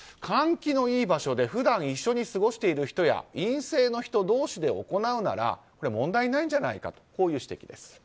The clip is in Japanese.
換気のいい場所で普段、一緒に過ごしている人や陰性の人同士で行うなら問題ないんじゃないかとこういう指摘です。